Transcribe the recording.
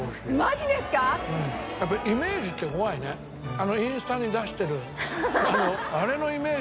あのインスタに出してるあれのイメージがあるからね。